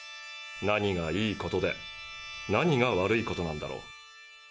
何がいいことで何が悪いことなんだろう。